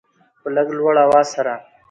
په لږ لوړ اواز سره